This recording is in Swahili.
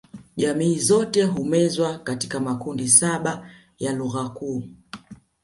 Jamii zote humezwa katika makundi saba ya lugha kuu